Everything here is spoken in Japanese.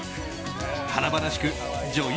華々しく女優